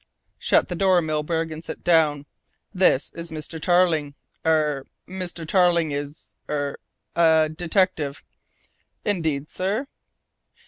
"Shut the door, Milburgh, and sit down. This is Mr. Tarling. Er Mr. Tarling is er a detective." "Indeed, sir?"